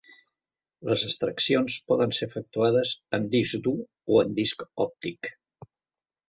Les extraccions poden ser efectuades en disc dur o en disc òptic.